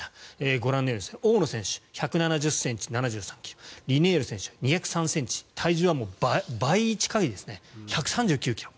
ご覧のように大野選手は１７０ｃｍ７３ｋｇリネール選手、２０３ｃｍ体重は倍近いですね１３９ｋｇ。